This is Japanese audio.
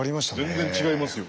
全然違いますよ。